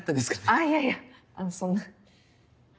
あっいやいやそんな。